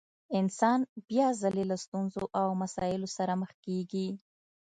انسان بيا ځلې له ستونزو او مسايلو سره مخ کېږي.